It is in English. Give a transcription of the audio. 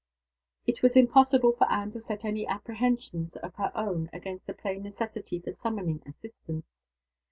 It was impossible for Anne to set any apprehensions of her own against the plain necessity for summoning assistance.